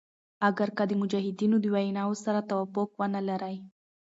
اګر که د مجتهدینو د ویناوو سره توافق ونه لری.